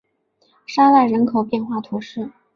沙赖人口变化图示